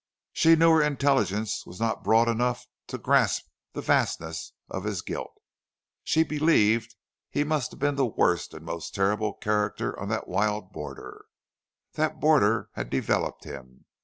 She knew her intelligence was not broad enough to grasp the vastness of his guilt. She believed he must have been the worst and most terrible character on that wild border. That border had developed him.